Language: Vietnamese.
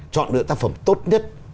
chọn được tác phẩm tốt nhất